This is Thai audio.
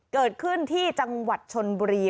เกิดขึ้นที่จังหวัดชนบุรี